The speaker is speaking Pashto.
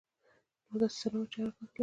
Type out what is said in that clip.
نور داسې څه نه وو چې حرکت ولري.